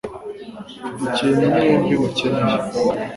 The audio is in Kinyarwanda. Mfite ikintu mwembi mukeneye